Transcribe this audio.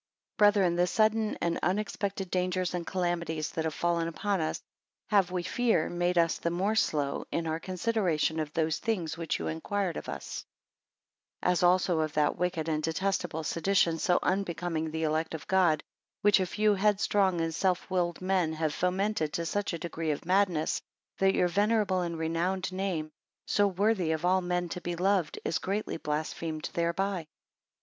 2 Brethren, the sudden and unexpected dangers and calamities that have fallen upon us, have, we fear, made us the more slow in our consideration of those things which you inquired of us: 3 As also of that wicked and detestable sedition, so unbecoming the elect of God, which a few headstrong and self willed men have fomented to such a degree of madness, that your venerable and renowned name, so worthy of all men to be beloved, is greatly blasphemed thereby.